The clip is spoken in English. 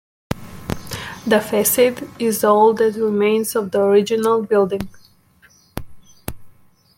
The facade is all that remains of the original building.